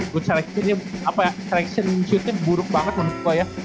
buat selection shootnya buruk banget menurut gue ya